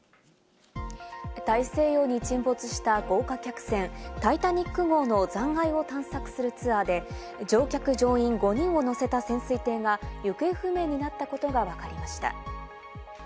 大西洋に沈没した豪華客船・タイタニック号の残骸を探索するツアーで、乗客乗員５人を乗せた潜水艇が行方不明になったことがわかりました。